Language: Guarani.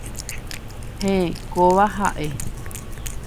Héẽ, kóva ha'e